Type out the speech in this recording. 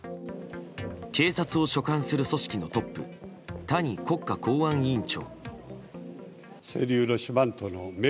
警察を所管する組織のトップ谷国家公安委員長。